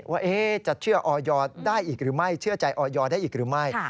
ว่าจะเชื่อออยได้อีกหรือไม่เชื่อใจออยได้อีกหรือไม่